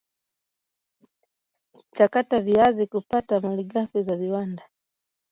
chakata viazi kupata malighafi za viwanda